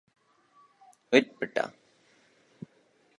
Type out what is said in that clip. প্রত্যেক তাড়াটি অতিযত্নে ফিতা দিয়া বাঁধা।